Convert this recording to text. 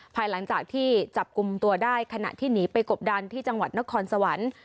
ภายหลังจากที่จับกลุ่มตัวได้ขณะที่หนีไปกบดันที่จังหวัดนครสวรรค์